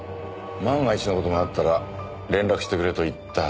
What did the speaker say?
万が一の事があったら連絡してくれと言ったはずだが？